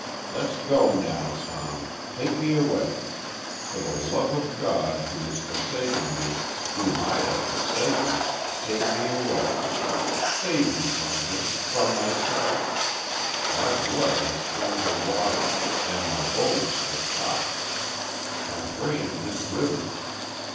Let's go now, Tom. Take me away! For the love of God who has forsaken me whom I have forsaken take me away! Save me from her from myself My blood has turned to water, and my bones to chalk! My brain has withered!